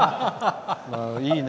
いいね。